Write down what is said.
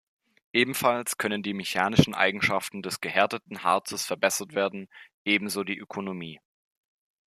Ebenfalls können die mechanischen Eigenschaften des gehärteten Harzes verbessert werden, ebenso die Ökonomie.